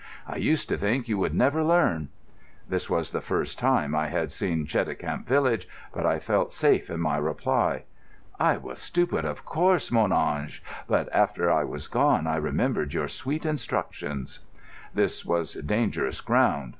"I used to think you would never learn." This was the first time I had seen Cheticamp village, but I felt safe in my reply. "I was stupid, of course, mon ange; but after I was gone I remembered your sweet instructions." This was dangerous ground.